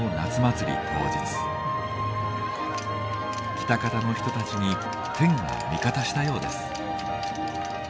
喜多方の人たちに天が味方したようです。